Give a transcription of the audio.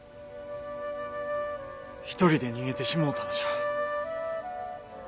一人で逃げてしもうたのじゃ。